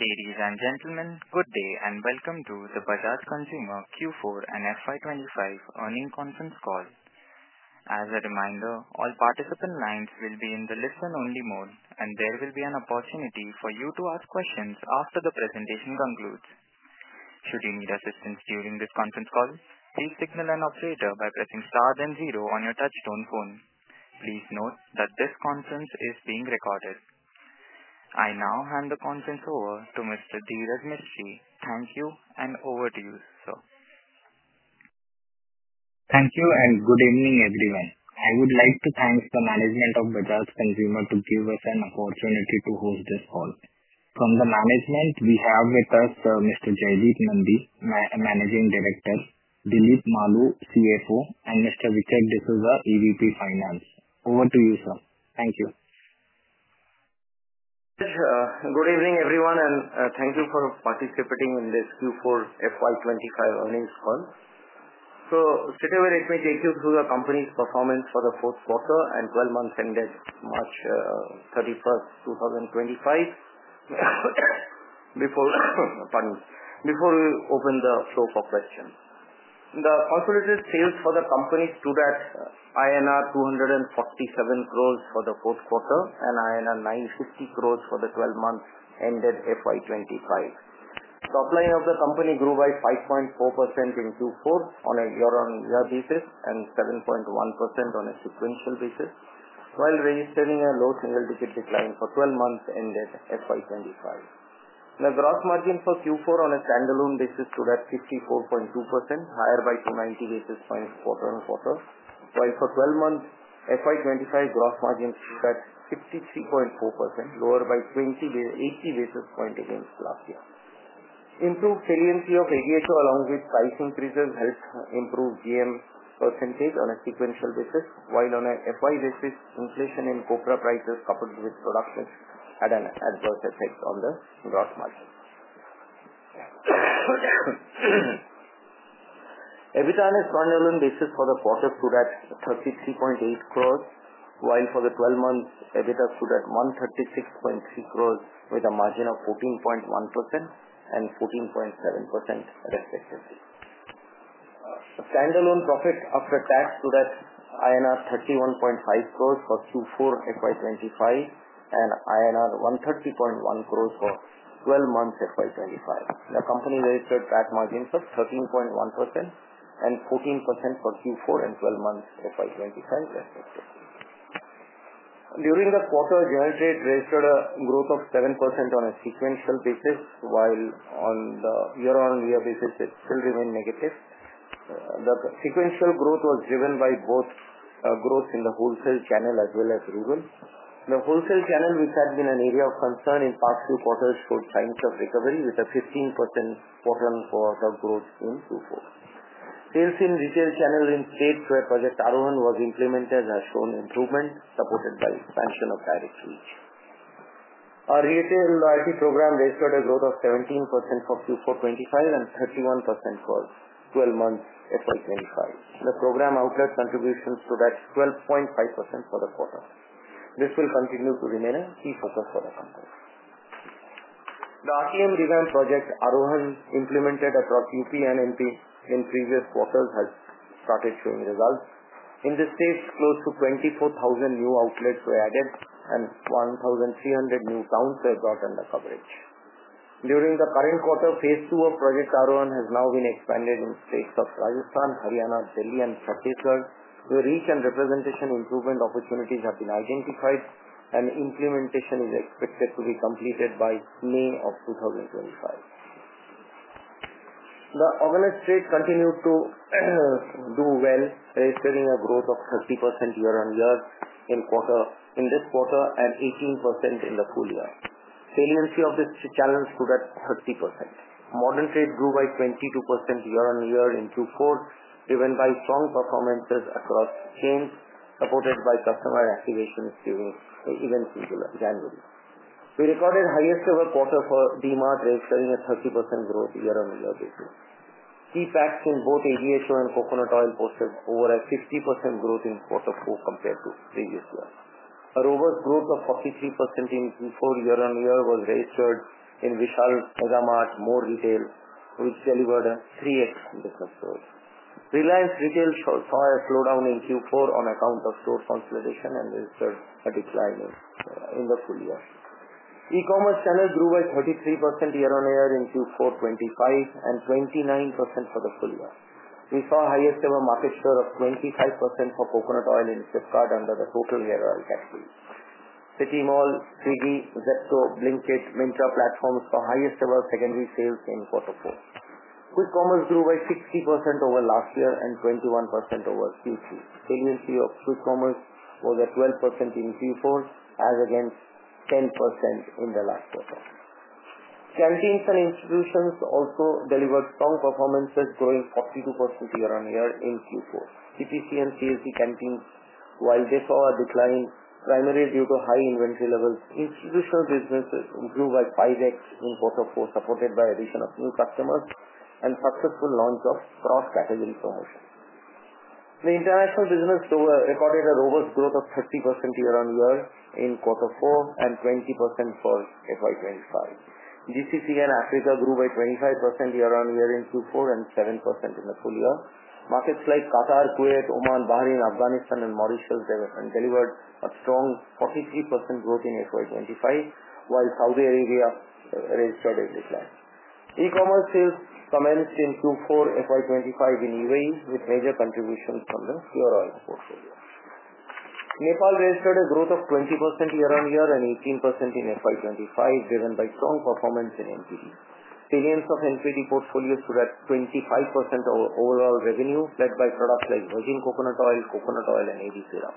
Ladies and gentlemen, good day and welcome to the Bajaj Consumer Q4 and FY 2025 Earning Conference Call. As a reminder, all participant lines will be in the listen-only mode, and there will be an opportunity for you to ask questions after the presentation concludes. Should you need assistance during this conference call, please signal an operator by pressing star then zero on your touch-tone phone. Please note that this conference is being recorded. I now hand the conference over to Mr. Dhiraj Mistry. Thank you, and over to you, sir. Thank you, and good evening, everyone. I would like to thank the management of Bajaj Consumer Care to give us an opportunity to host this call. From the management, we have with us Mr. Jaideep Nandi, Managing Director; Dilip Maloo, CFO; and Mr. Richard D'Souza, EVP Finance. Over to you, sir. Thank you. Good evening, everyone, and thank you for participating in this Q4 FY 2025 earnings call. Straight away, let me take you through the company's performance for the fourth quarter and 12 months ended March 31, 2025. Before we open the floor for questions, the consolidated sales for the company stood at INR 247 crores for the fourth quarter and INR 950 crores for the 12 months ended FY 2025. The top line of the company grew by 5.4% in Q4 on a year-on-year basis and 7.1% on a sequential basis, while registering a low single-digit decline for 12 months ended FY 2025. The gross margin for Q4 on a standalone basis stood at 54.2%, higher by 290 basis points quarter on quarter, while for 12 months, FY 2025 gross margin stood at 63.4%, lower by 80 basis points against last year. Improved saliency of ADHO along with price increases helped improve GM percentage on a sequential basis, while on an FY basis, inflation in copra prices coupled with product mix had an adverse effect on the gross margin. EBITDA on a standalone basis for the quarter stood at 33.8 crores, while for the 12 months, EBITDA stood at 136.3 crores with a margin of 14.1% and 14.7%, respectively. Standalone profit after tax stood at INR 31.5 crores for Q4 FY 2025 and INR 130.1 crores for 12 months FY 2025. The company registered PAT margins of 13.1% and 14% for Q4 and 12 months FY 2025, respectively. During the quarter, general trade registered a growth of 7% on a sequential basis, while on the year-on-year basis, it still remained negative. The sequential growth was driven by both growth in the wholesale channel as well as rural. The wholesale channel, which had been an area of concern in past few quarters, showed signs of recovery with a 15% quarter-on-quarter growth in Q4. Sales in retail channel in states where Project Aarohan was implemented has shown improvement, supported by expansion of direct reach. Our retail loyalty program registered a growth of 17% for Q4 2025 and 31% for 12 months FY2025. The program outlet contribution stood at 12.5% for the quarter. This will continue to remain a key focus for the company. The RTM revamp Project Aarohan implemented across UP and MP in previous quarters has started showing results. In the states, close to 24,000 new outlets were added and 1,300 new towns were brought under coverage. During the current quarter, phase two of Project Aarohan has now been expanded in states of Rajasthan, Haryana, Delhi, and Chhattisgarh, where reach and representation improvement opportunities have been identified, and implementation is expected to be completed by May of 2025. The organized trade continued to do well, registering a growth of 30% year-on-year in this quarter and 18% in the full year. Saliency of this channel stood at 30%. Modern trade grew by 22% year-on-year in Q4, driven by strong performances across chains, supported by customer activations during events in January. We recorded highest-ever quarter for D-Mart, registering a 30% growth year-on-year basis. Key packs in both ADHO and Coconut oil posted over a 50% growth in quarter four compared to previous year. A robust growth of 43% in Q4 year-on-year was registered in Vishal Mega Mart, More Retail, which delivered a 3x business growth. Reliance Retail saw a slowdown in Q4 on account of store consolidation and registered a decline in the full year. E-commerce channel grew by 33% year-on-year in Q4 2025 and 29% for the full year. We saw highest-ever market share of 25% for coconut oil in Flipkart under the total year-on-year category. City Mall, Swiggy, Zepto, Blinkit, Myntra platforms saw highest-ever secondary sales in quarter four. Quick Commerce grew by 60% over last year and 21% over Q3. Saliency of Quick Commerce was at 12% in Q4, as against 10% in the last quarter. Canteens and institutions also delivered strong performances, growing 42% year-on-year in Q4. CPC and CSD canteens, while they saw a decline primarily due to high inventory levels, institutional businesses grew by 5X in quarter four, supported by addition of new customers and successful launch of cross-category promotions. The international business recorded a robust growth of 30% year-on-year in quarter four and 20% for 2025. GCC and Africa grew by 25% year-on-year in Q4 and 7% in the full year. Markets like Qatar, Kuwait, Oman, Bahrain, Afghanistan, and Mauritius delivered a strong 43% growth in 2025, while Saudi Arabia registered a decline. E-commerce sales commenced in Q4 2025 in UAE with major contributions from the pure oil portfolio. Nepal registered a growth of 20% year-on-year and 18% in 2025, driven by strong performance in NPD. Salience of NPD portfolio stood at 25% of overall revenue, led by products like Virgin Coconut Oil, Coconut Oil, and AD Serum.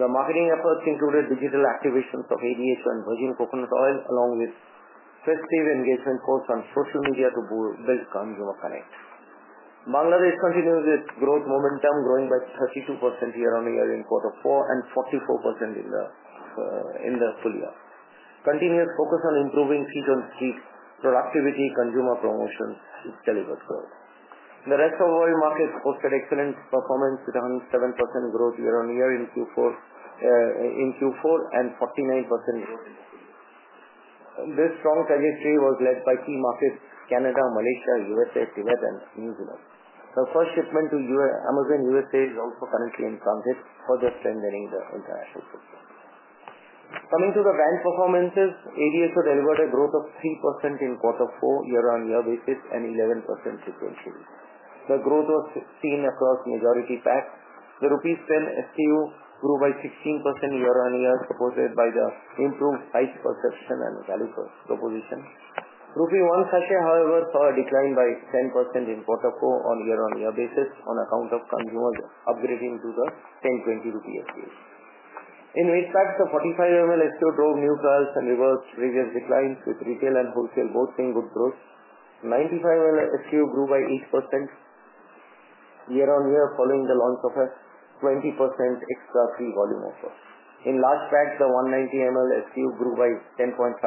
The marketing efforts included digital activations of ADHO and Virgin Coconut Oil, along with festive engagement posts on social media to build consumer connect. Bangladesh continues with growth momentum, growing by 32% year-on-year in quarter four and 44% in the full year. Continuous focus on improving feet-on-street productivity, consumer promotions delivered growth. The rest of world markets posted excellent performance, with 107% growth year-on-year in Q4 and 49% growth in the full year. This strong trajectory was led by key markets: Canada, Malaysia, USA, Tibet, and New Zealand. The first shipment to Amazon USA is also currently in transit, further strengthening the international footprint. Coming to the brand performances, ADHO delivered a growth of 3% in quarter four year-on-year basis and 11% sequentially. The growth was seen across majority packs. The rupees 10 SKU grew by 16% year-on-year, supported by the improved price perception and value proposition. Rupee 1 sachet, however, saw a decline by 10% in quarter four on a year-on-year basis, on account of consumers upgrading to the 10 rupees, 20 SKU. In mid packs, the 45 ml SKU drove new trials and reversed previous declines, with retail and wholesale both seeing good growth. The 95 ml SKU grew by 8% year-on-year, following the launch of a 20% extra free volume offer. In large packs, the 190 ml SKU grew by 10.5%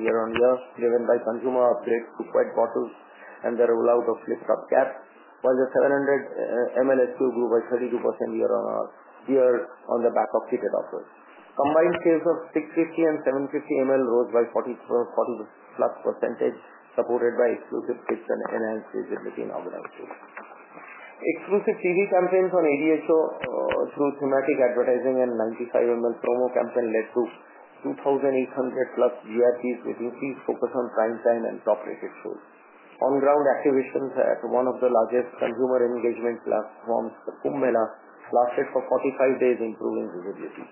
year-on-year, driven by consumer upgrades to PET bottles and the rollout of flip-top caps, while the 700 ml SKU grew by 32% year-on-year on the back of heated offers. Combined sales of 650ml and 750 ml rose by 40% plus, supported by exclusive kits and enhanced visibility in organized sales. Exclusive TV campaigns on ADHO through thematic advertising and the 95 ml promo campaign led to 2,800 plus GRPs, with increased focus on prime time and top-rated shows. On-ground activations at one of the largest consumer engagement platforms, the Kumbh Mela, lasted for 45 days, improving visibility.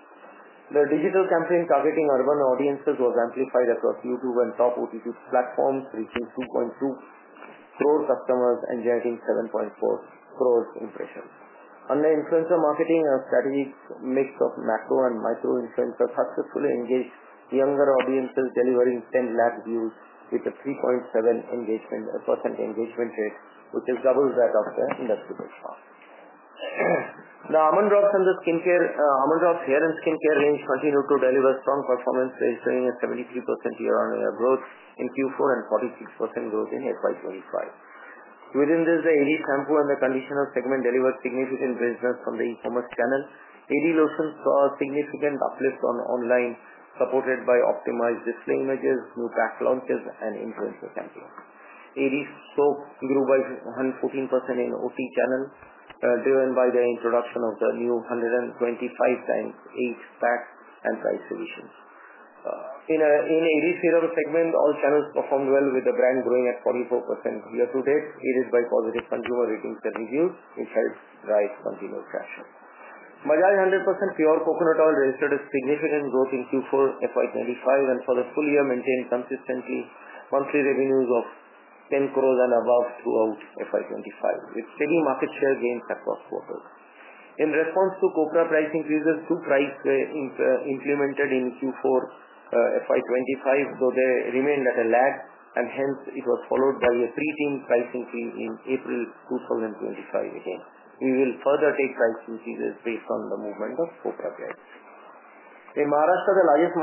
The digital campaign targeting urban audiences was amplified across YouTube and top OTT platforms, reaching 22 million customers and generating 74 million impressions. Under influencer marketing, a strategic mix of macro and micro influencers successfully engaged younger audiences, delivering 1 million views with a 3.7% engagement rate, which is double that of the industry market. The Almond Drops and Almond Drops Hair and Skin Care range continued to deliver strong performance, registering a 73% year-on-year growth in Q4 and 46% growth in FY2025. Within this, the AD Shampoo and the Conditioner segment delivered significant results from the e-commerce channel. AD Lotion saw a significant uplift online, supported by optimized display images, new pack launches, and influencer campaigns. AD Soap grew by 114% in the organized trade channel, driven by the introduction of the new 125 x 8 pack and price solutions. In AD Serum segment, all channels performed well, with the brand growing at 44% year-to-date, aided by positive consumer ratings and reviews, which helped drive continued traction. Bajaj 100% Pure Coconut Oil registered a significant growth in Q4 2025 and for the full year maintained consistent monthly revenues of 10 crore and above throughout 2025, with steady market share gains across quarters. In response to copra price increases, two price increases were implemented in Q4 2025, though they remained at a lag, and hence it was followed by a pre-teen price increase in April 2025. Again, we will further take price increases based on the movement of copra price. In Maharashtra, the largest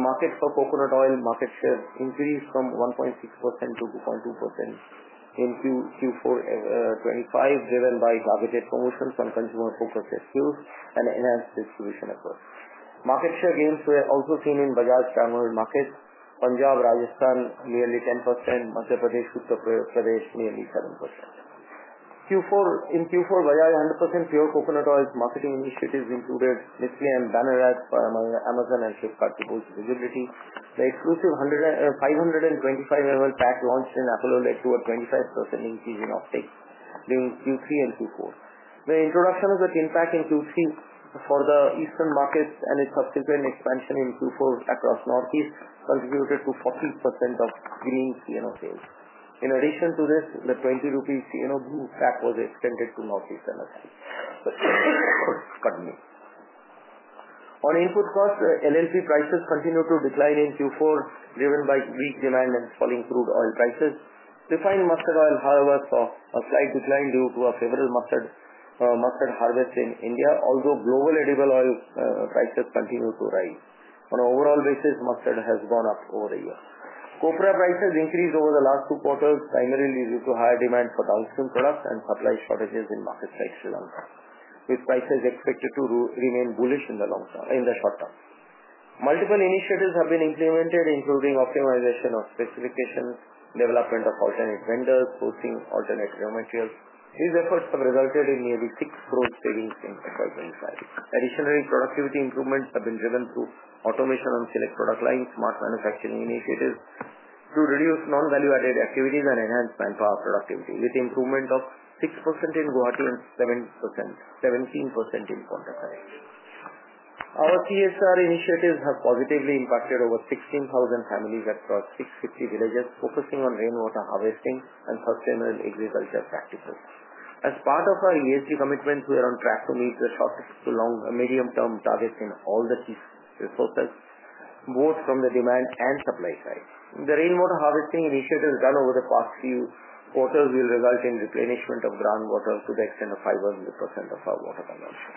market for coconut oil, market share increased from 1.6% to 2.2% in Q4 2025, driven by targeted promotions on consumer-focused SKUs and enhanced distribution efforts. Market share gains were also seen in Bajaj standalone markets: Punjab, Rajasthan nearly 10%, Madhya Pradesh, Uttar Pradesh nearly 7%. In Q4, Bajaj 100% Pure Coconut Oil marketing initiatives included display and banner ads for Amazon and Flipkart to boost visibility. The exclusive 525 ml pack launched in Apollo led to a 25% increase in uptake, during Q3 and Q4. The introduction of the tin pack in Q3 for the eastern markets and its subsequent expansion in Q4 across Northeast contributed to 40% of Green CNO sales. In addition to this, the 20 rupees CNO Blue pack was extended to Northeast and Assam. On input costs, LLP prices continued to decline in Q4, driven by weak demand and falling crude oil prices. Refined mustard oil, however, saw a slight decline due to a favorable mustard harvest in India, although global edible oil prices continued to rise. On an overall basis, mustard has gone up over the year. Copra prices increased over the last two quarters, primarily due to higher demand for downstream products and supply shortages in markets like Sri Lanka, with prices expected to remain bullish in the short term. Multiple initiatives have been implemented, including optimization of specifications, development of alternate vendors, sourcing alternate raw materials. These efforts have resulted in nearly 6 crores savings in FY 2025. Additionally, productivity improvements have been driven through automation on select product lines, smart manufacturing initiatives to reduce non-value-added activities and enhance manpower productivity, with improvement of 6% in Guwahati and 17% in Paonta Sahib. Our CSR initiatives have positively impacted over 16,000 families across 650 villages, focusing on rainwater harvesting and sustainable agriculture practices. As part of our ESG commitments, we are on track to meet the short to medium-term targets in all the key resources, both from the demand and supply side. The rainwater harvesting initiatives done over the past few quarters will result in replenishment of groundwater to the extent of 500% of our water consumption.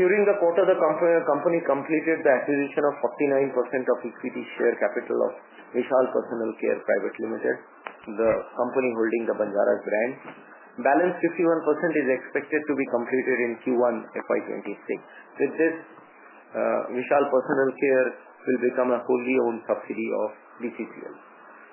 During the quarter, the company completed the acquisition of 49% of equity share capital of Vishal Personal Care Private Limited, the company holding the Banjaras brand. Balance 51% is expected to be completed in Q1 FY2026. With this, Vishal Personal Care will become a wholly owned subsidiary of BCCL.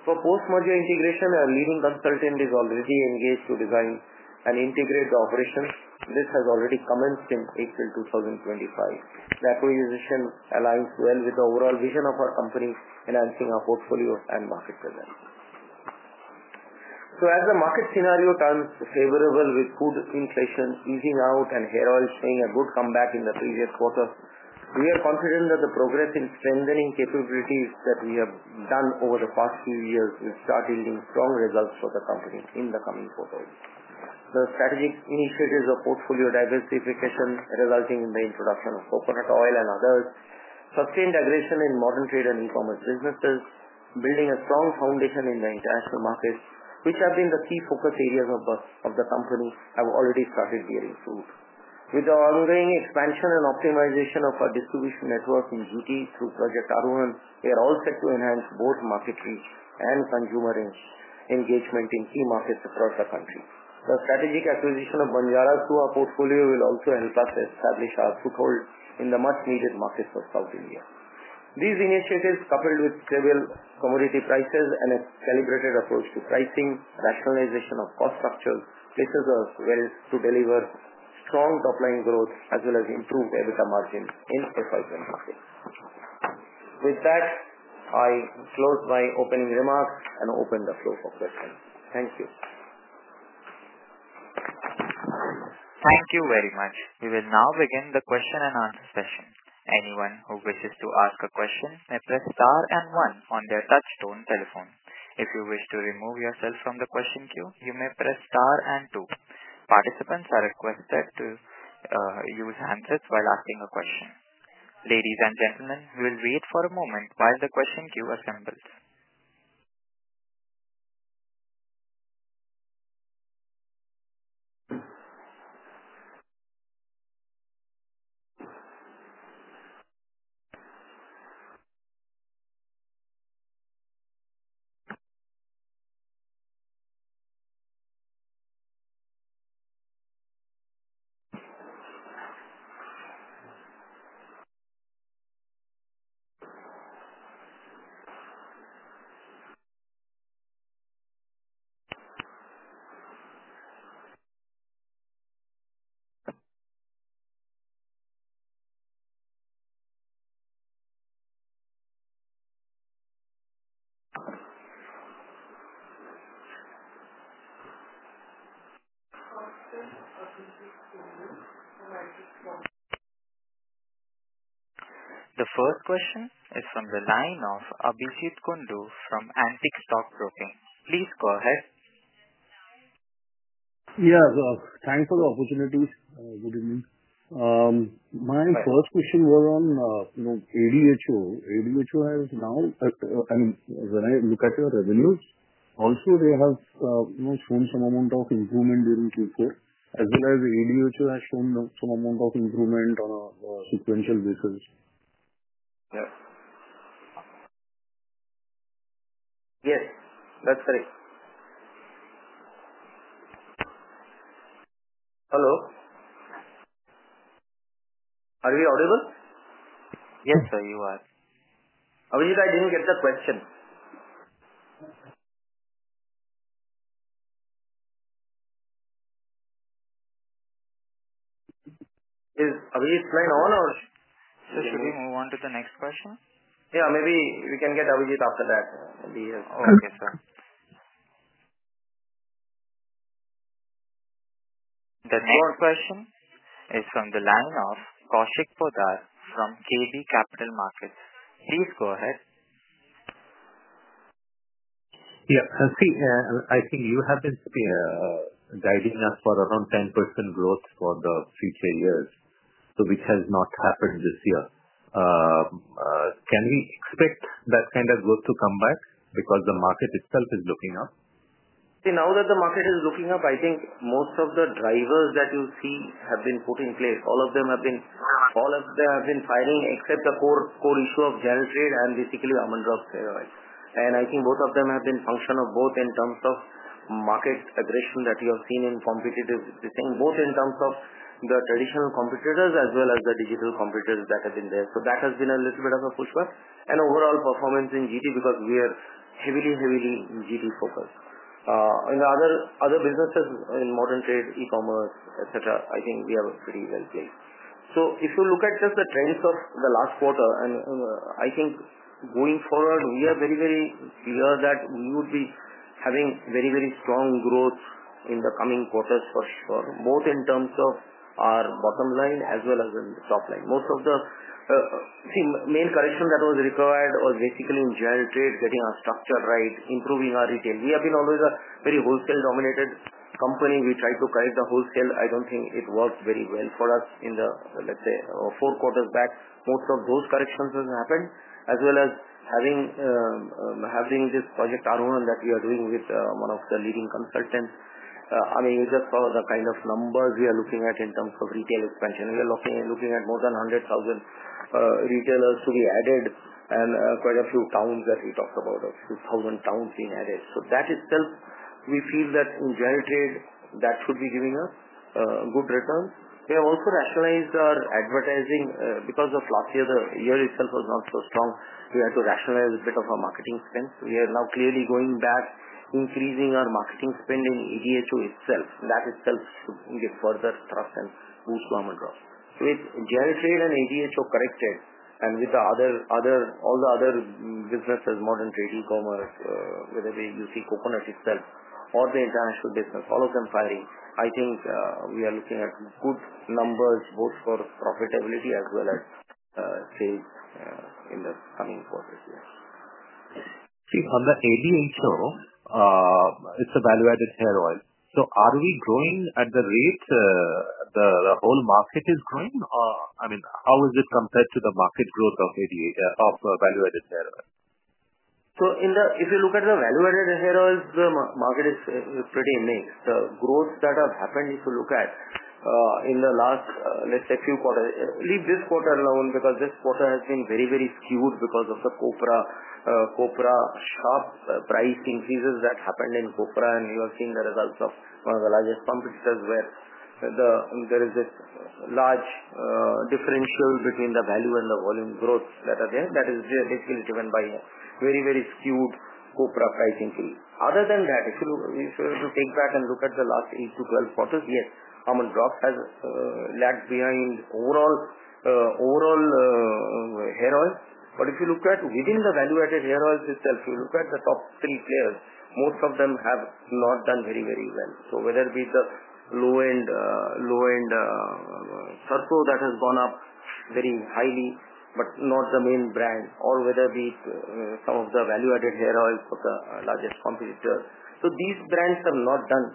For post-merger integration, a leading consultant is already engaged to design and integrate the operations. This has already commenced in April 2025. The acquisition aligns well with the overall vision of our company, enhancing our portfolio and market presence. As the market scenario turns favorable, with food inflation easing out and hair oil seeing a good comeback in the previous quarter, we are confident that the progress in strengthening capabilities that we have done over the past few years will start yielding strong results for the company in the coming quarters. The strategic initiatives of portfolio diversification resulting in the introduction of coconut oil and others, sustained aggression in modern trade and e-commerce businesses, building a strong foundation in the international markets, which have been the key focus areas of the company, have already started bearing fruit. With the ongoing expansion and optimization of our distribution network in GT through Project Aarohan, we are all set to enhance both market reach and consumer engagement in key markets across the country. The strategic acquisition of Banjaras through our portfolio will also help us establish our foothold in the much-needed markets of South India. These initiatives, coupled with stable commodity prices and a calibrated approach to pricing, rationalization of cost structures, places us well to deliver strong top-line growth as well as improved EBITDA margins in FY 2026. With that, I close my opening remarks and open the floor for questions. Thank you. Thank you very much. We will now begin the question and answer session. Anyone who wishes to ask a question may press star and one on their touch-tone telephone. If you wish to remove yourself from the question queue, you may press star and two. Participants are requested to use handsets while asking a question. Ladies and gentlemen, we will wait for a moment while the question queue assembles. The first question is from the line of Abhijeet Kundu from Antique Stock Broking. Please go ahead. Yeah, so thank you for the opportunity. Good evening. My first question was on ADHO. ADHO has now, I mean, when I look at your revenues, also they have shown some amount of improvement during Q4, as well as ADHO has shown some amount of improvement on a sequential basis. Yes. Yes, that's correct. Hello? Are we audible? Yes, sir, you are. Abhijeet, I didn't get the question. Is Abhijeet's line on or? Should we move on to the next question? Yeah, maybe we can get Abhijeet after that. Okay, sir. The third question is from the line of Kaushik Poddar from KB Capital Markets. Please go ahead. Yeah, see, I think you have been guiding us for around 10% growth for the future years, which has not happened this year. Can we expect that kind of growth to come back because the market itself is looking up? See, now that the market is looking up, I think most of the drivers that you see have been put in place. All of them have been. All of them have been firing except the core issue of general trade and basically Almond Drops Hair Oil. I think both of them have been functional both in terms of market aggression that you have seen in competitive thing, both in terms of the traditional competitors as well as the digital competitors that have been there. That has been a little bit of a pushback. Overall performance in GT because we are heavily, heavily GT-focused. In other businesses, in modern trade, e-commerce, etc., I think we are pretty well placed. If you look at just the trends of the last quarter, and I think going forward, we are very, very clear that we would be having very, very strong growth in the coming quarters for sure, both in terms of our bottom line as well as in the top line. Most of the main correction that was required was basically in general trade, getting our structure right, improving our retail. We have been always a very wholesale-dominated company. We tried to correct the wholesale. I do not think it worked very well for us in the, let's say, four quarters back. Most of those corrections have happened as well as having this Project Aarohan that we are doing with one of the leading consultants. I mean, you just saw the kind of numbers we are looking at in terms of retail expansion. We are looking at more than 100,000 retailers to be added and quite a few towns that we talked about, a few thousand towns being added. That itself, we feel that in general trade, that should be giving us good returns. We have also rationalized our advertising because last year, the year itself was not so strong. We had to rationalize a bit of our marketing spend. We are now clearly going back, increasing our marketing spend in ADHO itself. That itself should give further thrust and boost Almond Drops. With general trade and ADHO corrected and with all the other businesses, modern trade, e-commerce, whether you see coconut itself or the international business, all of them firing, I think we are looking at good numbers both for profitability as well as trade in the coming quarter here. See, on the ADHO, it's a value-added hair oil. Are we growing at the rate the whole market is growing? I mean, how is it compared to the market growth of value-added hair oil? If you look at the value-added hair oils, the market is pretty mixed. The growth that has happened, if you look at in the last, let's say, few quarters, leave this quarter alone because this quarter has been very, very skewed because of the copra sharp price increases that happened in copra, and you have seen the results of one of the largest competitors where there is a large differential between the value and the volume growth that are there. That is basically driven by a very, very skewed copra price increase. Other than that, if you take back and look at the last 8-12 quarters, yes, Almond Drops has lagged behind overall hair oil. If you look at within the value-added hair oils itself, if you look at the top three players, most of them have not done very, very well. Whether it be the low-end sarso that has gone up very highly, but not the main brand, or whether it be some of the value-added hair oils of the largest competitor, these brands have not done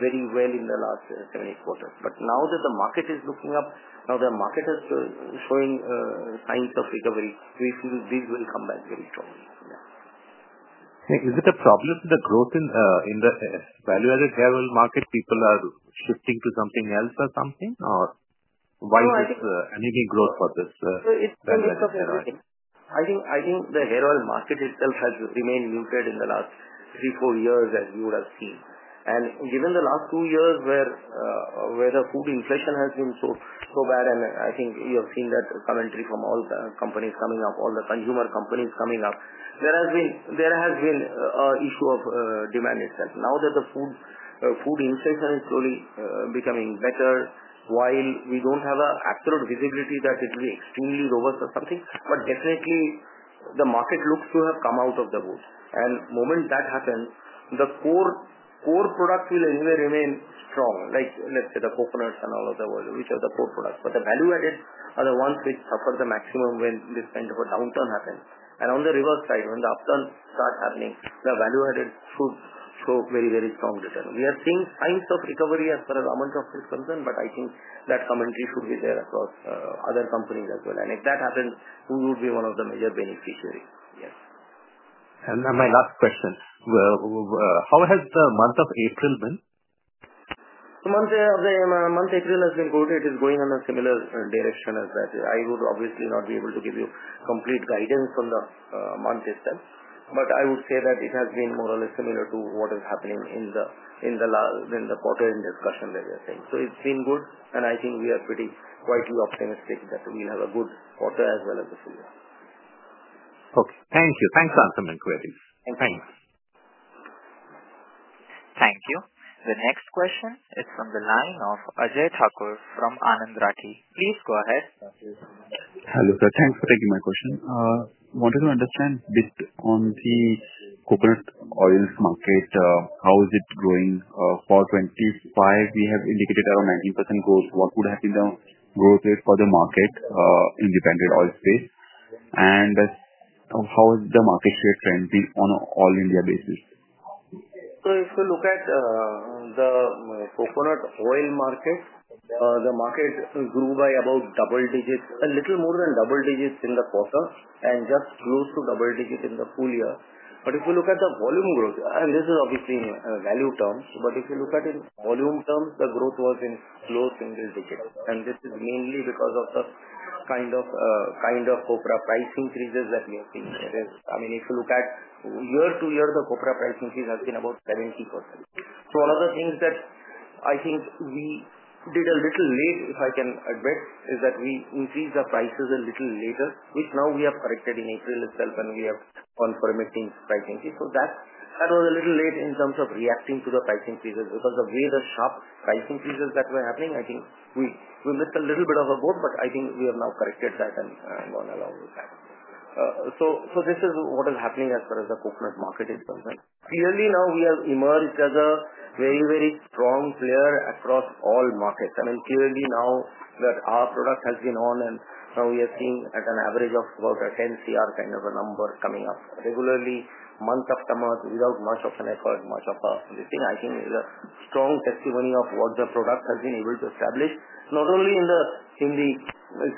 very well in the last seven-eight quarters. Now that the market is looking up, now the market is showing signs of recovery, we feel these will come back very strongly. Is it a problem with the growth in the value-added hair oil market? People are shifting to something else or something, or why is it anything growth for this? It's a mix of everything. I think the hair oil market itself has remained limited in the last three, four years, as you would have seen. Given the last two years where the food inflation has been so bad, and I think you have seen that commentary from all the companies coming up, all the consumer companies coming up, there has been an issue of demand itself. Now that the food inflation is slowly becoming better, while we do not have an absolute visibility that it will be extremely robust or something, definitely the market looks to have come out of the woods. The moment that happens, the core products will anyway remain strong, like let's say the coconuts and all of the oil, which are the core products. The value-added are the ones which suffer the maximum when this kind of a downturn happens. On the reverse side, when the upturn starts happening, the value-added should show very, very strong return. We are seeing signs of recovery as far as Almond Drops is concerned, but I think that commentary should be there across other companies as well. If that happens, we would be one of the major beneficiaries. Yes. My last question, how has the month of April been? The month of April has been good. It is going in a similar direction as that. I would obviously not be able to give you complete guidance on the month itself, but I would say that it has been more or less similar to what is happening in the quarter in discussion that we are saying. It has been good, and I think we are pretty quietly optimistic that we'll have a good quarter as well as the full year. Okay. Thank you. Thanks for answering my queries. Thanks. Thank you. The next question is from the line of Ajay Thakur from Anand Rathi. Please go ahead. Hello sir. Thanks for taking my question. I wanted to understand a bit on the coconut oils market, how is it growing? For 2025, we have indicated around 19% growth. What would have been the growth rate for the market in the blended oil space? How has the market share trend been on an all-India basis? If you look at the coconut oil market, the market grew by about double digits, a little more than double digits in the quarter and just close to double digits in the full year. If you look at the volume growth, and this is obviously in value terms, if you look at it in volume terms, the growth was in close single digits. This is mainly because of the kind of copra price increases that we have seen. I mean, if you look at year to year, the copra price increase has been about 70%. One of the things that I think we did a little late, if I can admit, is that we increased the prices a little later, which now we have corrected in April itself, and we have gone for a meaningful price increase. That was a little late in terms of reacting to the price increases because of the way the sharp price increases that were happening. I think we missed a little bit of a boat, but I think we have now corrected that and gone along with that. This is what is happening as far as the coconut market itself. Clearly now we have emerged as a very, very strong player across all markets. I mean, clearly now that our product has been on, and we are seeing at an average of about 10 crore kind of a number coming up regularly, month after month, without much of an effort, much of a thing. I think the strong testimony of what the product has been able to establish, not only in the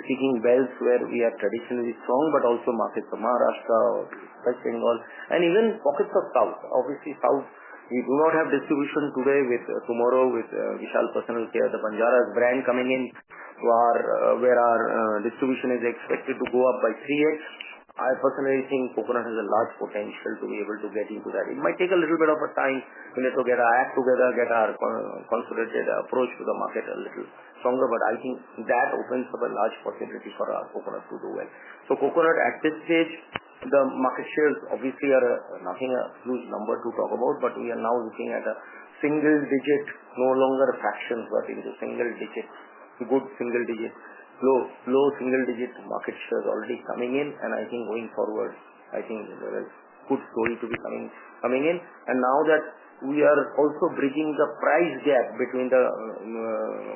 speaking belts where we are traditionally strong, but also markets of Maharashtra, West Bengal, and even pockets of South. Obviously, South, we do not have distribution today. Tomorrow, with Vishal Personal Care, the Banjaras brand coming in to our where our distribution is expected to go up by 3x. I personally think coconut has a large potential to be able to get into that. It might take a little bit of time to get our act together, get our consolidated approach to the market a little stronger, but I think that opens up a large possibility for our coconut to do well. Coconut at this stage, the market shares obviously are nothing a huge number to talk about, but we are now looking at a single digit, no longer fractions, but into single digits, good single digits, low single digit market shares already coming in. I think going forward, I think there is good story to be coming in. Now that we are also bridging the price gap between the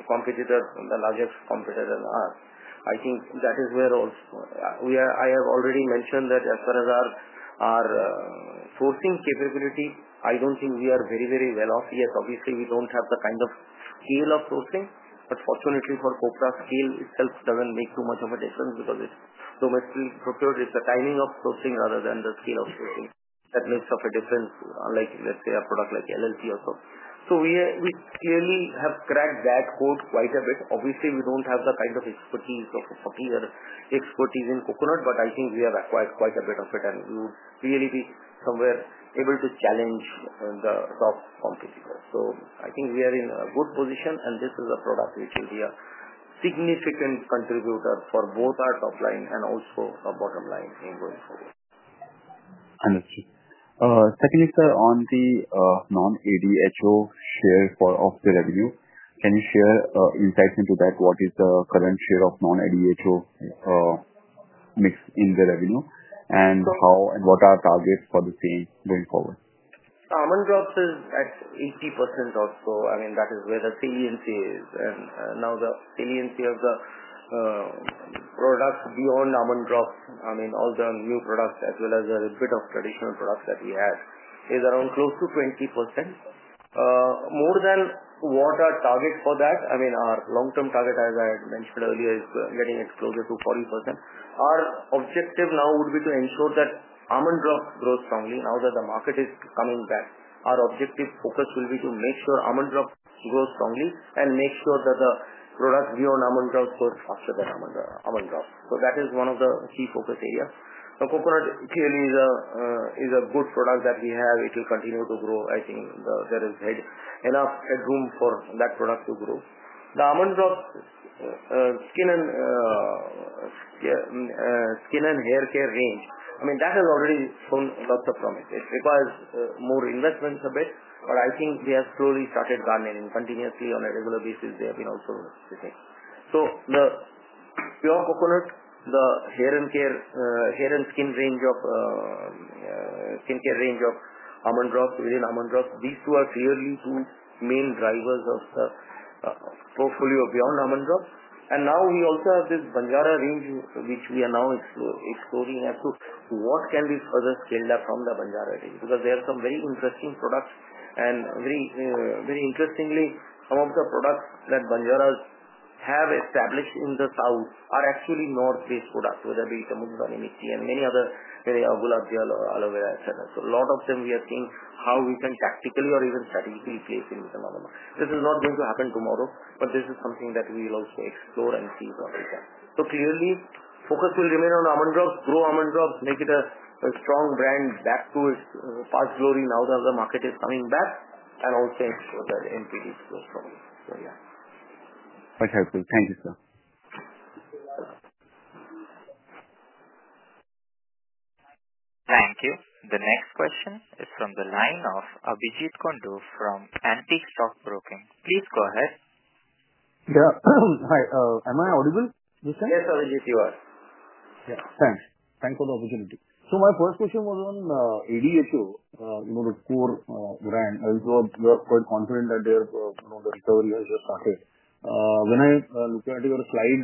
competitors, the largest competitor than us, I think that is where also I have already mentioned that as far as our sourcing capability, I don't think we are very, very well off. Yes, obviously we don't have the kind of scale of sourcing, but fortunately for copra, scale itself doesn't make too much of a difference because it's domestically procured. It's the timing of sourcing rather than the scale of sourcing that makes a difference, like let's say a product like LLP or so. We clearly have cracked that code quite a bit. Obviously, we don't have the kind of expertise of a 40-year expertise in coconut, but I think we have acquired quite a bit of it, and we would really be somewhere able to challenge the top competitors. I think we are in a good position, and this is a product which will be a significant contributor for both our top line and also our bottom line in going forward. Understood. Secondly, sir, on the non-ADHO share of the revenue, can you share insights into that? What is the current share of non-ADHO mix in the revenue, and what are targets for the same going forward? Almond Drops is at 80% or so. I mean, that is where the saliency is. And now the saliency of the products beyond Almond Drops, I mean, all the new products as well as a bit of traditional products that we have is around close to 20%. More than what our target for that, I mean, our long-term target, as I mentioned earlier, is getting it closer to 40%. Our objective now would be to ensure that Almond Drops grows strongly. Now that the market is coming back, our objective focus will be to make sure Almond Drops grows strongly and make sure that the products beyond Almond Drops go faster than Almond Drops. That is one of the key focus areas. Coconut clearly is a good product that we have. It will continue to grow. I think there is enough headroom for that product to grow. The Almond Drops skin and hair care range, I mean, that has already shown lots of promise. It requires more investments a bit, but I think we have slowly started garnering continuously on a regular basis. They have been also sustained. The pure coconut, the hair and skin range of skincare range of Almond Drops within Almond Drops, these two are clearly two main drivers of the portfolio beyond Almond Drops. We also have this Banjaras range, which we are now exploring as to what can be further scaled up from the Banjaras range because there are some very interesting products. Very interestingly, some of the products that Banjaras have established in the South are actually North-based products, whether it be Multani Mitti, and many other Gulab Jal, Aloe Vera, etc. A lot of them we are seeing how we can tactically or even strategically place in the market. This is not going to happen tomorrow, but this is something that we will also explore and see what we can. Clearly, focus will remain on Almond Drops, grow Almond Drops, make it a strong brand back to its past glory. Now that the market is coming back and also ensure that NPDs grow strongly. Yeah. Much helpful. Thank you, sir. Thank you. The next question is from the line of Abhijeet Kundu from Antique Stock Broking. Please go ahead. Yeah. Hi. Am I audible this time? Yes, Abhijeet, you are. Yeah. Thanks. Thanks for the opportunity. My first question was on ADHO, the core brand. You are quite confident that the recovery has just started. When I look at your slide,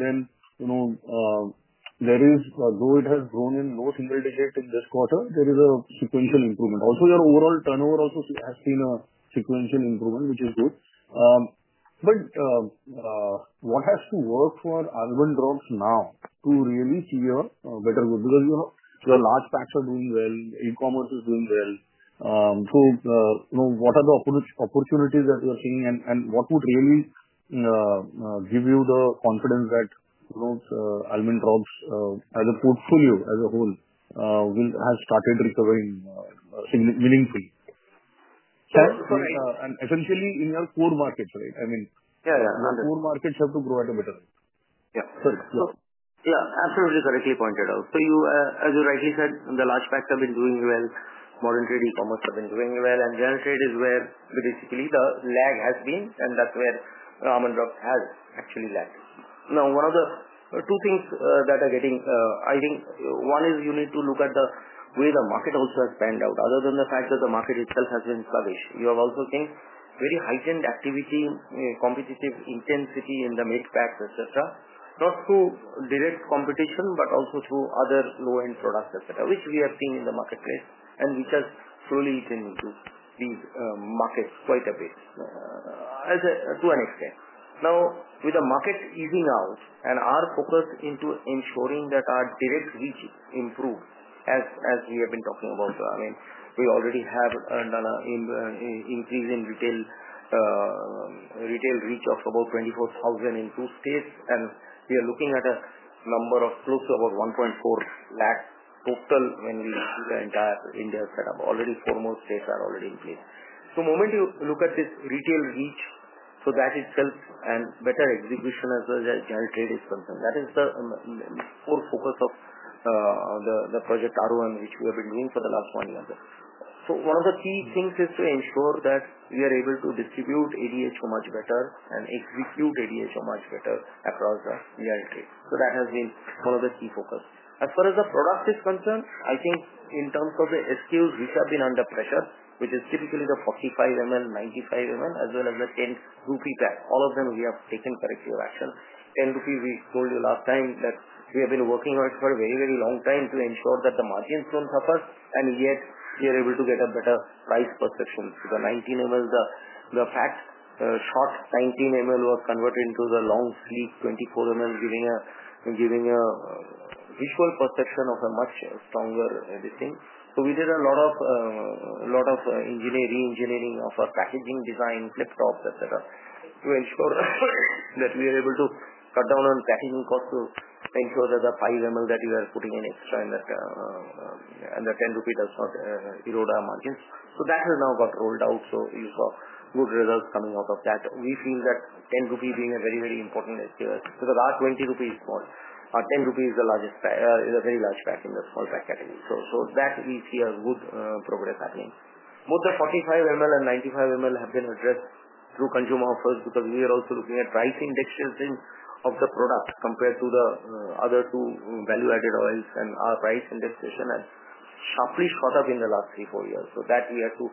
there is, though it has grown in low single digit in this quarter, a sequential improvement. Also, your overall turnover has seen a sequential improvement, which is good. What has to work for Almond Drops now to really see a better growth? The large packs are doing well, e-commerce is doing well. What are the opportunities that you are seeing, and what would really give you the confidence that Almond Drops as a portfolio, as a whole, has started recovering meaningfully? Essentially in your core markets, right? I mean, the core markets have to grow at a better rate. Yeah. Yeah. Absolutely correctly pointed out. As you rightly said, the large packs have been doing well, modern trade e-commerce have been doing well, and real trade is where basically the lag has been, and that's where Almond Drops has actually lagged. Now, one of the two things that are getting, I think one is you need to look at the way the market also has panned out. Other than the fact that the market itself has been sluggish, you have also seen very heightened activity, competitive intensity in the mid packs, etc., not through direct competition, but also through other low-end products, etc., which we have seen in the marketplace and which has slowly eaten into these markets quite a bit to an extent. Now, with the market easing out and our focus into ensuring that our direct reach improves, as we have been talking about, I mean, we already have an increase in retail reach of about 24,000 in two states, and we are looking at a number of close to about 1.4 lakh total when we see the entire India setup. Already four more states are already in place. The moment you look at this retail reach, that itself and better execution as well as general trade is concerned. That is the core focus of the Project Aarohan, which we have been doing for the last one year. One of the key things is to ensure that we are able to distribute ADHO much better and execute ADHO much better across the real trade. That has been one of the key focus. As far as the product is concerned, I think in terms of the SKUs, which have been under pressure, which is typically the 45 ml, 95 ml, as well as the 10 rupee pack, all of them we have taken corrective action. 10 rupees, we told you last time that we have been working on it for a very, very long time to ensure that the margins do not suffer, and yet we are able to get a better price perception. The 19 ml, the fat short 19 ml were converted into the long sleek 24 ml, giving a visual perception of a much stronger thing. We did a lot of engineering, re-engineering of our packaging design, flip tops, etc., to ensure that we are able to cut down on packaging costs to ensure that the 5 ml that we are putting in extra and the 10 rupee does not erode our margins. That has now got rolled out, so you saw good results coming out of that. We feel that 10 rupee being a very, very important SKU because our 20 rupee is small. Our 10 rupee is a very large pack in the small pack category. We see a good progress happening. Both the 45 ml and 95 ml have been addressed through consumer offers because we are also looking at price indexation of the product compared to the other two value-added oils, and our price indexation has sharply shot up in the last three, four years. We have to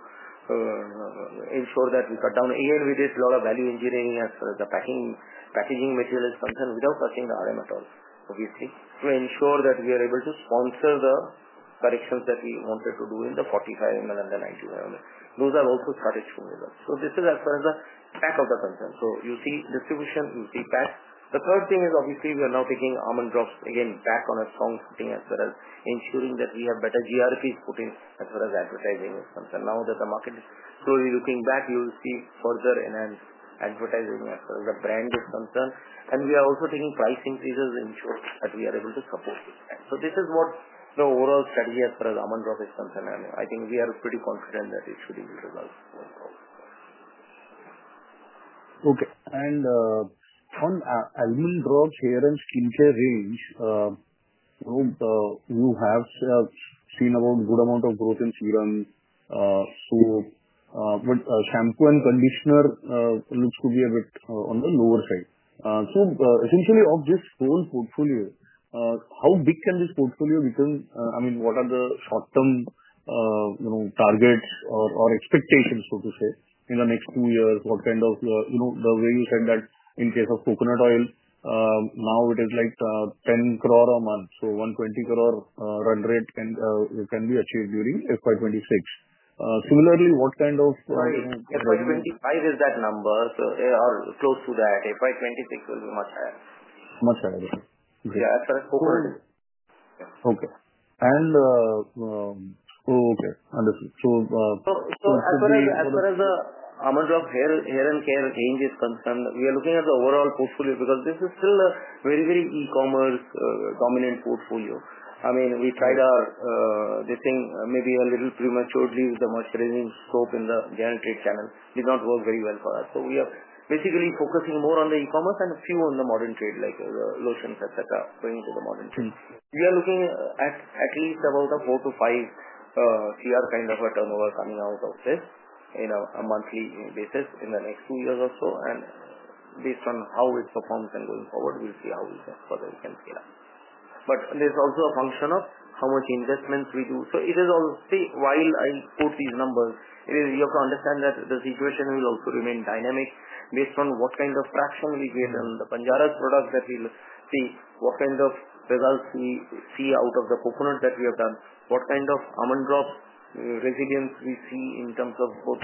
ensure that we cut down. Again, we did a lot of value engineering as far as the packaging material is concerned without touching the RM at all, obviously, to ensure that we are able to sponsor the corrections that we wanted to do in the 45 ml and the 95 ml. Those have also started showing results. This is as far as the back of the concern. You see distribution, you see packs. The third thing is obviously we are now taking Almond Drops again back on a strong footing as well as ensuring that we have better GRPs put in as far as advertising is concerned. Now that the market is slowly looking back, you will see further enhanced advertising as far as the brand is concerned. We are also taking price increases to ensure that we are able to support this brand. This is what the overall strategy as far as Almond Drops is concerned, and I think we are pretty confident that it should yield results. Okay. On Almond Drops Hair and Skincare range, you have seen about a good amount of growth in Serum. Shampoo and Conditioner look to be a bit on the lower side. Essentially, of this whole portfolio, how big can this portfolio become? I mean, what are the short-term targets or expectations, so to say, in the next two years? What kind of, the way you said that in case of coconut oil, now it is like 10 crore a month, so 120 crore run rate can be achieved during FY 2026. Similarly, what kind of revenue? FY 2025, is that number or close to that? FY 2026 will be much higher. Much higher. Yeah, as far as coconut is. Okay. Understood. As far as the Almond Drops hair and care range is concerned, we are looking at the overall portfolio because this is still a very, very e-commerce dominant portfolio. I mean, we tried our this thing maybe a little prematurely with the merchandising scope in the general trade channel. Did not work very well for us. We are basically focusing more on the e-commerce and a few on the modern trade like lotions, etc., going into the modern trade. We are looking at at least about 4-5 crore kind of a turnover coming out of this on a monthly basis in the next two years or so. Based on how it performs and going forward, we'll see how we can further scale up. There is also a function of how much investments we do. It is obviously while I quote these numbers, you have to understand that the situation will also remain dynamic based on what kind of traction we get on the Banjaras product that we will see, what kind of results we see out of the coconut that we have done, what kind of Almond Drops resilience we see in terms of both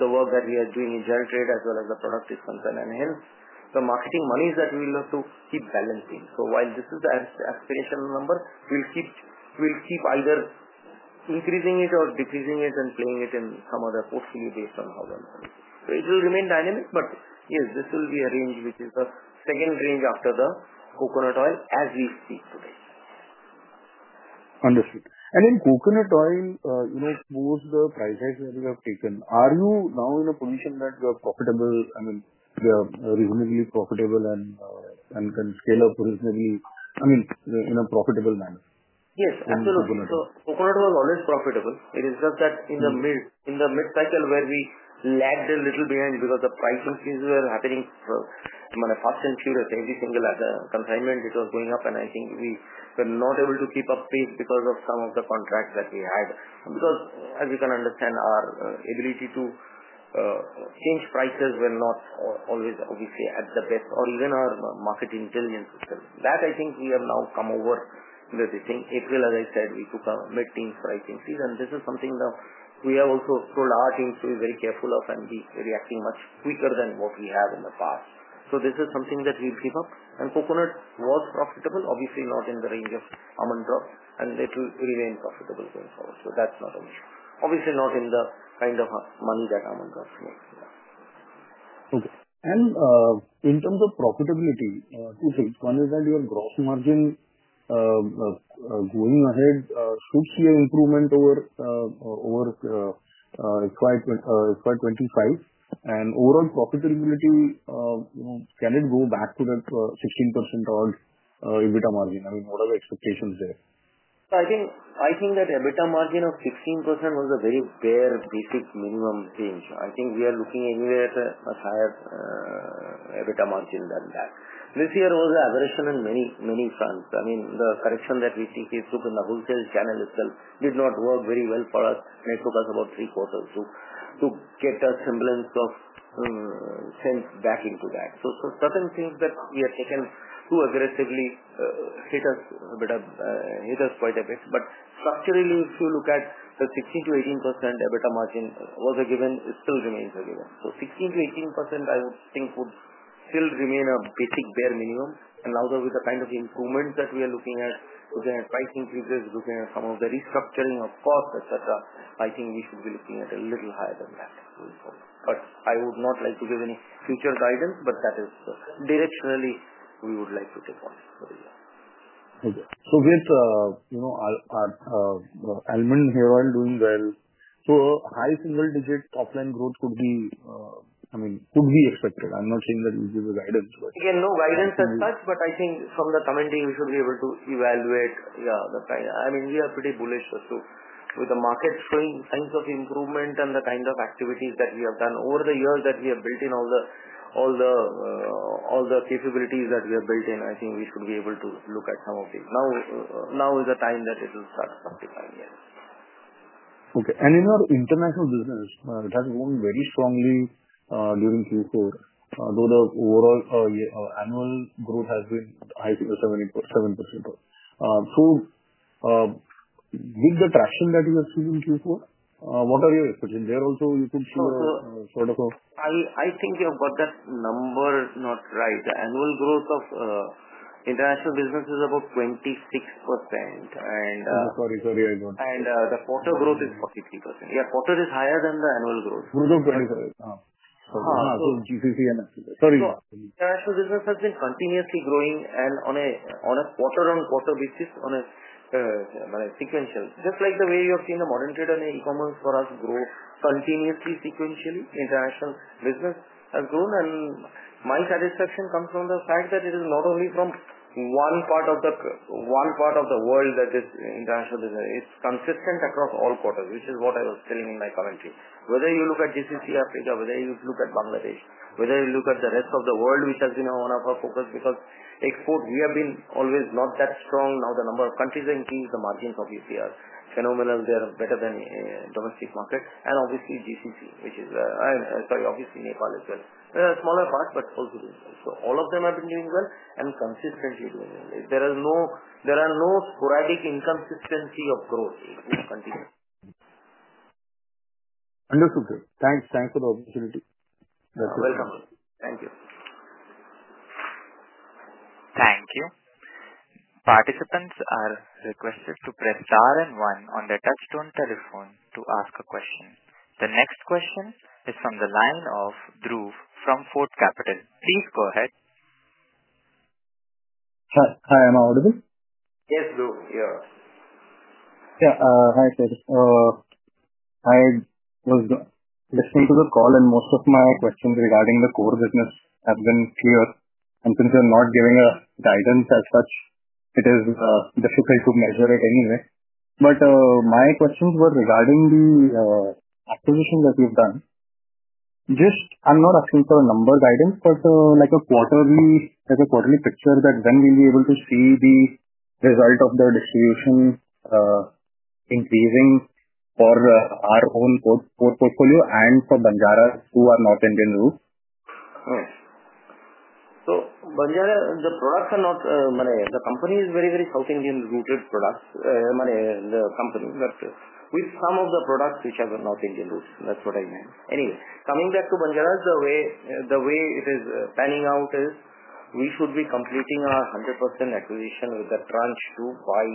the work that we are doing in general trade as well as the product is concerned. Hence, the marketing money is that we will have to keep balancing. While this is the aspirational number, we will keep either increasing it or decreasing it and playing it in some other portfolio based on how the market is. It will remain dynamic, but yes, this will be a range which is the second range after the coconut oil as we speak today. Understood. In Coconut oil, towards the price range that you have taken, are you now in a position that you are profitable? I mean, you are reasonably profitable and can scale up reasonably, I mean, in a profitable manner? Yes, absolutely. Coconut was always profitable. It is just that in the mid cycle where we lagged a little behind because the price increases were happening fast and furious. Every single consignment, it was going up, and I think we were not able to keep up pace because of some of the contracts that we had. Because as you can understand, our ability to change prices was not always, obviously, at the best, or even our market intelligence. That I think we have now come over with this thing. April, as I said, we took a mid-teens price increase, and this is something that we have also told our teams to be very careful of and be reacting much quicker than what we have in the past. This is something that we'll keep up. Coconut was profitable, obviously not in the range of Almond Drops, and it will remain profitable going forward. That's not an issue. Obviously not in the kind of money that Almond Drops make. Okay. In terms of profitability, two things. One is that your gross margin going ahead should see an improvement over FY 2025. Overall profitability, can it go back to that 16% odd EBITDA margin? I mean, what are the expectations there? I think that EBITDA margin of 16% was a very bare basic minimum range. I think we are looking anywhere at a much higher EBITDA margin than that. This year was an aberration in many, many fronts. I mean, the correction that we took in the wholesale channel itself did not work very well for us, and it took us about three quarters to get a semblance of sense back into that. Certain things that we have taken too aggressively hit us quite a bit. Structurally, if you look at the 16%-18% EBITDA margin was a given, it still remains a given. 16%-18%, I would think, would still remain a basic bare minimum. Now that with the kind of improvements that we are looking at, looking at price increases, looking at some of the restructuring of costs, etc., I think we should be looking at a little higher than that going forward. I would not like to give any future guidance, but that is directionally we would like to take on. With Almond hair oil doing well, high single digit top line growth could be, I mean, could be expected. I'm not saying that we'll give you guidance, but. Again, no guidance as such, but I think from the commenting, we should be able to evaluate the price. I mean, we are pretty bullish. With the market showing signs of improvement and the kind of activities that we have done over the years that we have built in, all the capabilities that we have built in, I think we should be able to look at some of these. Now is the time that it will start to come to fine, yes. Okay. In your international business, it has grown very strongly during Q4, though the overall annual growth has been 7%. With the traction that you have seen in Q4, what are your expectations there? Also, you could see a sort of a. I think you have got that number not right. The annual growth of international business is about 26%, and. Sorry, sorry. I do not. The quarter growth is 43%. Quarter is higher than the annual growth. Growth of 27. Sorry. International business has been continuously growing and on a quarter-on-quarter basis, on a sequential. Just like the way you have seen the modern trade and e-commerce for us grow continuously sequentially, international business has grown, and my satisfaction comes from the fact that it is not only from one part of the world that this international business is. It's consistent across all quarters, which is what I was telling in my commentary. Whether you look at GCC, Africa, whether you look at Bangladesh, whether you look at the rest of the world, which has been one of our focus because export, we have been always not that strong. Now the number of countries are increasing, the margins obviously are phenomenal. They are better than domestic market. Obviously GCC, which is, sorry, obviously Nepal as well. There are smaller parts, but also all of them have been doing well and consistently doing well. There are no sporadic inconsistency of growth. Understood. Thanks. Thanks for the opportunity. That's it. You're welcome. Thank you. Thank you. Participants are requested to press star and one on their touchstone telephone to ask a question. The next question is from the line of Dhruv from Fort Capital. Please go ahead. Hi, I'm audible. Yes, Dhruv, you're. Yeah, hi sir. I was listening to the call, and most of my questions regarding the core business have been clear. Since you're not giving a guidance as such, it is difficult to measure it anyway. My questions were regarding the acquisition that you've done. I'm not asking for a number guidance, but like a quarterly picture that when we'll be able to see the result of the distribution increasing for our own portfolio and for Banjara's, who are North Indian roots. So Banjara, the products are not, the company is very, very South Indian rooted products, the company. With some of the products which are North Indian roots, that's what I meant. Anyway, coming back to Banjara's, the way it is panning out is we should be completing our 100% acquisition with that tranche to buy.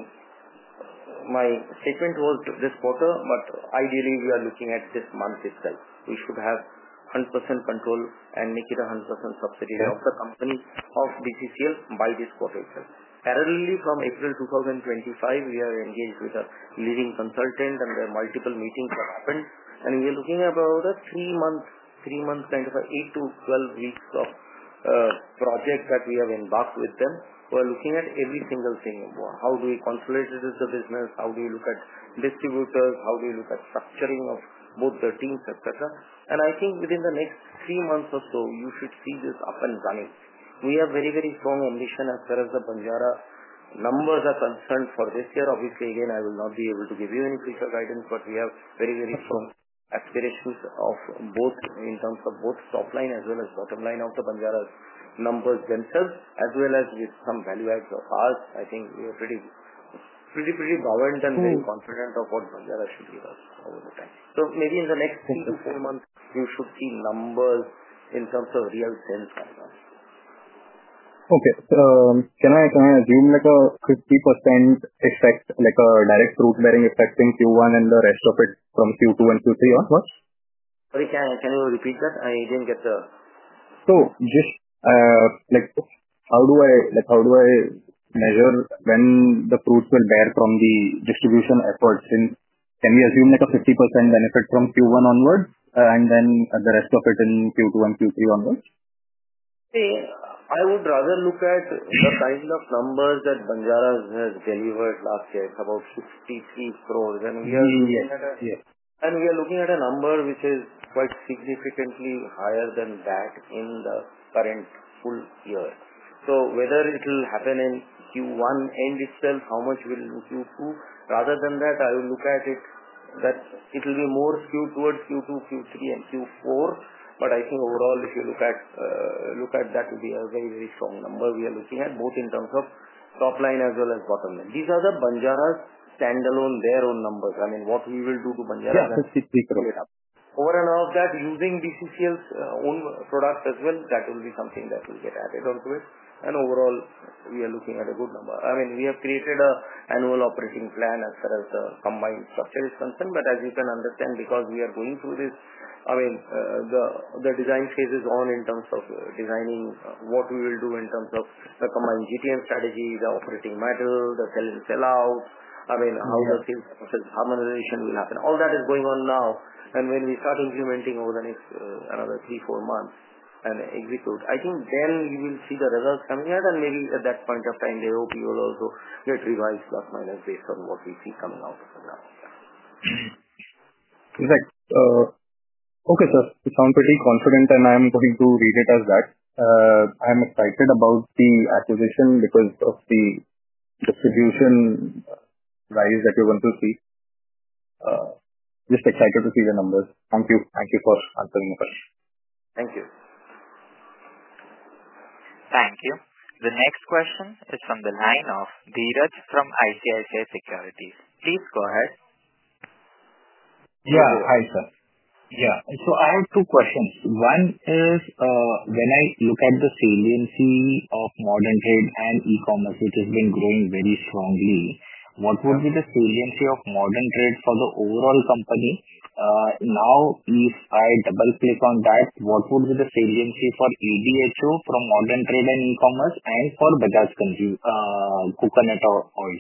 My statement was this quarter, but ideally we are looking at this month itself. We should have 100% control and make it a 100% subsidiary of the company of Bajaj Consumer Care by this quarter itself. Parallelly, from April 2025, we are engaged with a leading consultant, and there are multiple meetings that happened. We are looking at about a three-month kind of 8-12 weeks of project that we have embarked with them. We are looking at every single thing. How do we consolidate the business? How do we look at distributors? How do we look at structuring of both the teams, etc.? I think within the next three months or so, you should see this up and running. We have very, very strong ambition as far as the Banjaras numbers are concerned for this year. Obviously, again, I will not be able to give you any future guidance, but we have very, very strong aspirations both in terms of both top line as well as bottom line of the Banjara numbers themselves, as well as with some value adds of ours. I think we are pretty bold and very confident of what Banjara should give us over the time. Maybe in the next three to four months, you should see numbers in terms of real sense. Okay. Can I assume like a 50% direct fruit-bearing effect in Q1 and the rest of it from Q2 and Q3 onwards? Sorry, can you repeat that? I did not get the. Just how do I measure when the fruits will bear from the distribution efforts? Can we assume like a 50% benefit from Q1 onwards and then the rest of it in Q2 and Q3 onwards? I would rather look at the kind of numbers that Banjara's has delivered last year, about INR 63 crore. We are looking at a number which is quite significantly higher than that in the current full year. Whether it will happen in Q1 itself, how much will Q2? Rather than that, I will look at it that it will be more skewed towards Q2, Q3, and Q4. I think overall, if you look at that, it will be a very, very strong number we are looking at, both in terms of top line as well as bottom line. These are the Banjara's standalone, their own numbers. I mean, what we will do to Banjara's is that. Yes, INR 63 crore. Over and above that, using BCCL's own product as well, that will be something that will get added onto it. Overall, we are looking at a good number. I mean, we have created an annual operating plan as far as the combined structure is concerned. I mean, as you can understand, because we are going through this, the design phase is on in terms of designing what we will do in terms of the combined GTM strategy, the operating model, the sell-in-sell-out, I mean, how the sales process harmonization will happen. All that is going on now. When we start implementing over the next another three-four months and execute, I think then we will see the results coming out. Maybe at that point of time, the OP will also get revised plus minus based on what we see coming out of it now. Okay, sir. You sound pretty confident, and I'm going to read it as that. I'm excited about the acquisition because of the distribution rise that we're going to see. Just excited to see the numbers. Thank you. Thank you for answering the question. Thank you. Thank you. The next question is from the line of Dhiraj from ICICI Securities. Please go ahead. Yeah, hi, sir. Yeah. I have two questions. One is when I look at the saliency of modern trade and e-commerce, which has been growing very strongly, what would be the saliency of modern trade for the overall company? Now, if I double-click on that, what would be the saliency for ADHO from modern trade and e-commerce and for Bajaj Coconut Oil?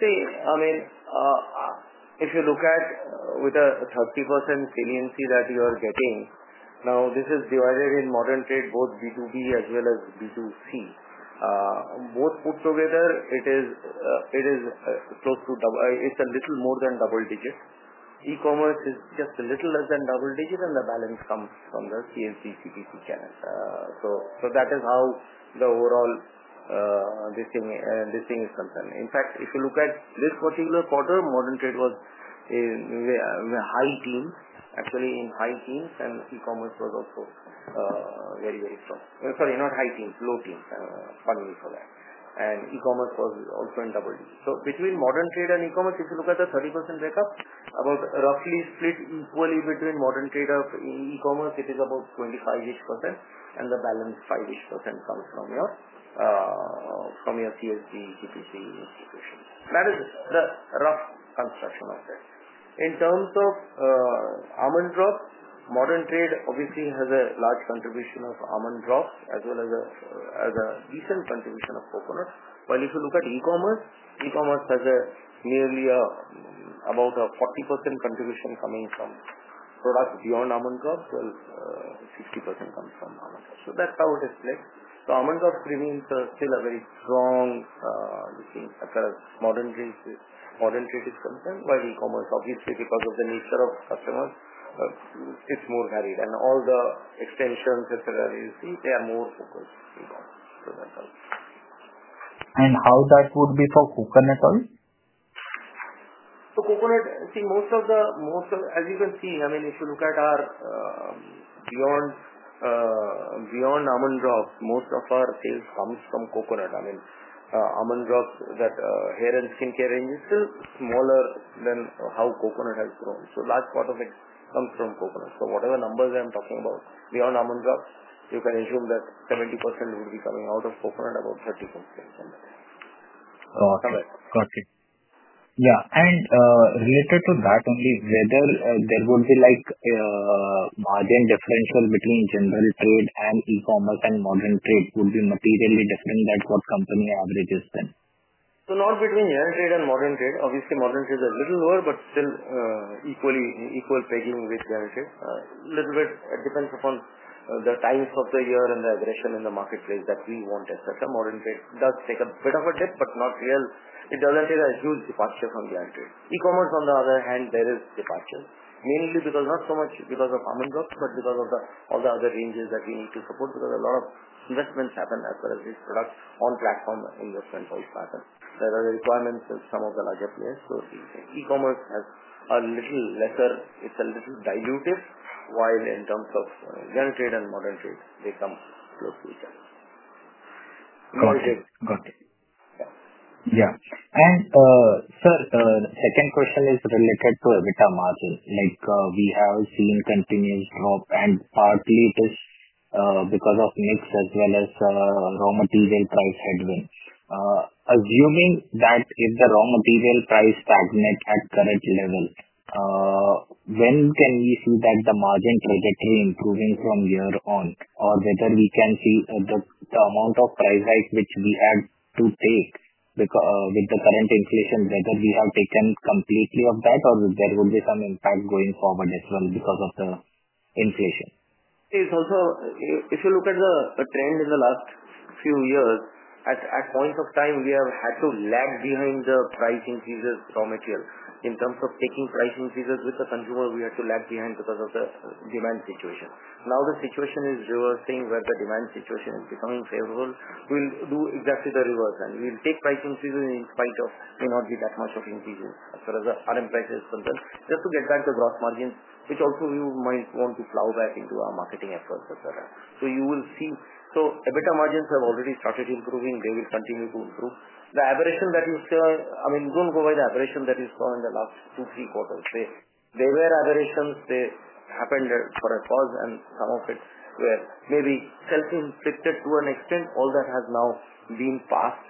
See, I mean, if you look at with a 30% saliency that you are getting, now this is divided in modern trade, both B2B as well as B2C. Both put together, it is close to double. It's a little more than double digit. E-commerce is just a little less than double digit, and the balance comes from the CSD-CPC channel. That is how the overall this thing is concerned. In fact, if you look at this particular quarter, modern trade was in high teen, actually in high teen, and e-commerce was also very, very strong. Sorry, not high teen, low teen. Pardon me for that. E-commerce was also in double digit. Between modern trade and e-commerce, if you look at the 30% breakup, about roughly split equally between modern trade and e-commerce, it is about 25%-ish, and the balance 5%-ish comes from your CSD-CPC institution. That is the rough construction of that. In terms of Almond Drops, modern trade obviously has a large contribution of almond drops as well as a decent contribution of coconuts. If you look at e-commerce, e-commerce has nearly about a 40% contribution coming from products beyond Almond Drops, while 60% comes from Almond Drops. That is how it is played. Almond Drops remains still a very strong thing as far as modern trade is concerned, while e-commerce, obviously, because of the nature of customers, is more varied. All the extensions, etc., you see, they are more focused e-commerce for themselves. How would that be for coconut oil? Coconut, see, most of the, as you can see, if you look at our beyond almond drops, most of our sales comes from coconut. I mean, Almond Drops, that hair and skincare range is still smaller than how coconut has grown. A large part of it comes from coconut. Whatever numbers I'm talking about, beyond almond drops, you can assume that 70% would be coming out of coconut, about 30% comes from coconut. Got it. Got it. Yeah. Related to that only, whether there would be margin differential between General Trade and e-commerce and modern trade would be materially different than what company averages then. Not between General Trade and modern trade. Obviously, modern trade is a little lower, but still equal pegging with General Trade. A little bit depends upon the times of the year and the aggression in the marketplace that we want, etc. Modern trade does take a bit of a dip, but not real. It does not take a huge departure from General Trade. E-commerce, on the other hand, there is departure, mainly because not so much because of Almond Drops, but because of all the other ranges that we need to support because a lot of investments happen as far as these products on platform investments, all this matter. There are requirements of some of the larger players. E-commerce has a little lesser, it's a little diluted, while in terms of General Trade and modern trade, they come close to each other. Got it. Got it. Yeah. Sir, the second question is related to EBITDA margin. We have seen continuous drop, and partly it is because of mix as well as raw material price headwinds. Assuming that if the raw material prices stagnate at current level, when can we see that the margin trajectory improving from here on, or whether we can see the amount of price hike which we had to take with the current inflation, whether we have taken completely of that, or there would be some impact going forward as well because of the inflation? See, it's also if you look at the trend in the last few years, at points of time, we have had to lag behind the price increases raw material. In terms of taking price increases with the consumer, we had to lag behind because of the demand situation. Now the situation is reversing, where the demand situation is becoming favorable. We'll do exactly the reverse, and we'll take price increases in spite of may not be that much of increases as far as the RM prices concern, just to get back to gross margins, which also we might want to plow back into our marketing efforts, etc. You will see EBITDA margins have already started improving. They will continue to improve. The aberration that you see are, I mean, don't go by the aberration that you saw in the last two, three quarters. They were aberrations. They happened for a cause, and some of it were maybe self-inflicted to an extent. All that has now been passed.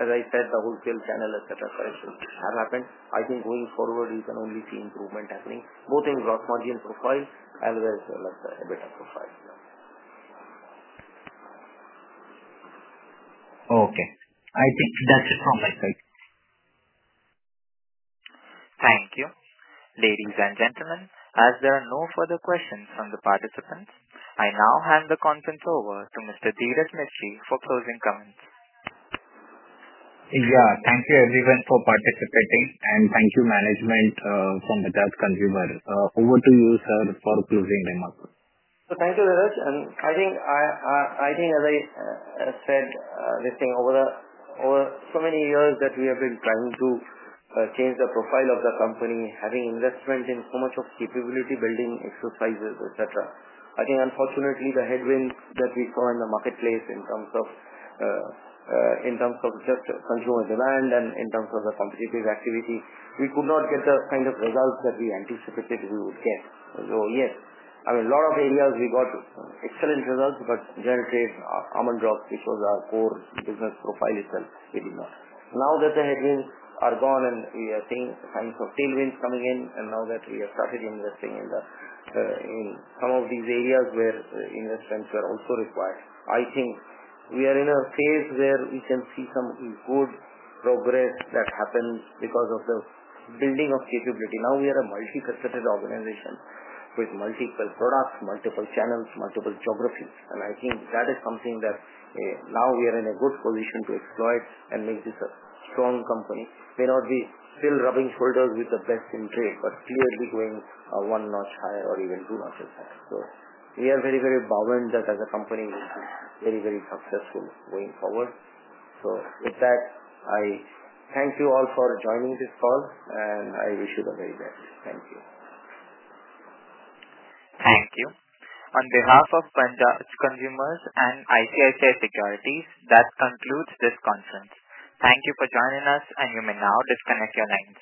As I said, the wholesale channel, etc., corrections have happened. I think going forward, we can only see improvement happening, both in gross margin profile as well as EBITDA profile. Okay. I think that's it from my side. Thank you. Ladies and gentlemen, as there are no further questions from the participants, I now hand the conference over to Mr. Dhiraj Mistry for closing comments. Yeah. Thank you, everyone, for participating, and thank you, management from Bajaj Consumer. Over to you, sir, for closing remarks. Thank you, Dhiraj. I think, as I said, this thing over so many years that we have been trying to change the profile of the company, having investment in so much of capability building exercises, etc. I think, unfortunately, the headwinds that we saw in the marketplace in terms of just consumer demand and in terms of the competitive activity, we could not get the kind of results that we anticipated we would get. Yes, I mean, a lot of areas we got excellent results, but general trade, almond drops, which was our core business profile itself, we did not. Now that the headwinds are gone and we are seeing signs of tailwinds coming in, and now that we have started investing in some of these areas where investments are also required, I think we are in a phase where we can see some good progress that happens because of the building of capability. Now we are a multifaceted organization with multiple products, multiple channels, multiple geographies. I think that is something that now we are in a good position to exploit and make this a strong company. May not be still rubbing shoulders with the best in trade, but clearly going one notch higher or even two notches higher. We are very, very bold that as a company, we'll be very, very successful going forward. With that, I thank you all for joining this call, and I wish you the very best. Thank you. Thank you. On behalf of Bajaj Consumer Care and ICICI Securities, that concludes this conference. Thank you for joining us, and you may now disconnect your line.